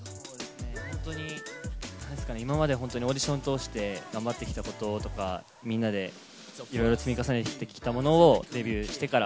今までオーディションを通して頑張ってきたこととか、みんなでいろいろ積み重ねてきたものをデビューしてから